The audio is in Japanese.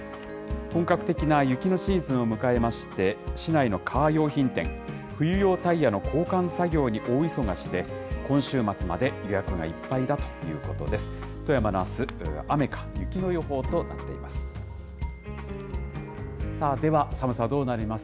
本格的な雪のシーズンを迎えまして、市内のカー用品店、冬用タイヤの交換作業に大忙しで、今週末まで予約がいっぱいだということです。